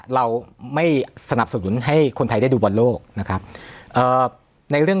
เราไม่สนับสนุนให้คนไทยได้ดูบอลโลกนะครับเอ่อในเรื่อง